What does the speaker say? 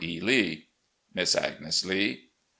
E. Lee. "Miss Agnes Lee."